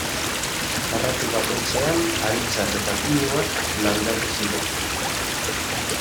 Karratu bakoitzean haritzak eta pinuak landatu ziren.